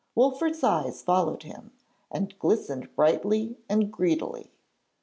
Wolfert's eyes followed him, and glistened brightly and greedily.